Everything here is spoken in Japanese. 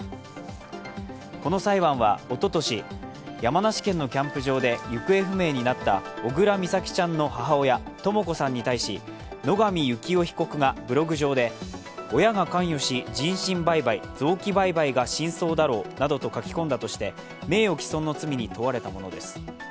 この裁判は、おととし、山梨県のキャンプ場で行方不明になった小倉美咲ちゃんの母親、とも子さんに対し野上幸雄被告がブログ上で親が関与し、人身売買、臓器売買が真相だろうなどと書き込んだとして名誉毀損の罪に問われたものです。